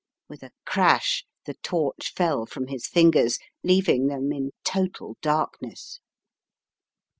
With a crash the torch fell from his fingers, leaving Jjhem in total darkness!